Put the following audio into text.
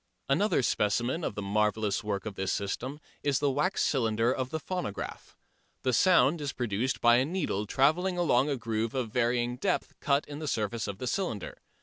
Another specimen of the marvellous work of this system is the wax cylinder of the phonograph. The sound is produced by a needle trailing along a groove of varying depth cut in the surface of the cylinder.